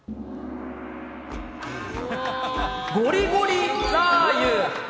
ゴリゴリラー油。